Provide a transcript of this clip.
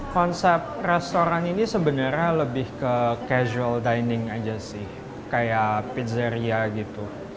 konsep restoran ini sebenarnya lebih ke casual dining aja sih kayak pizeria gitu